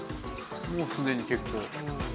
もうすでに結構。